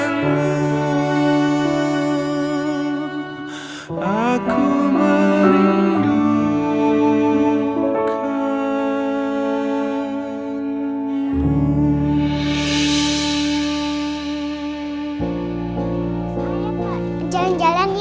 sebentar saja rena